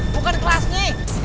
bukan kelas nih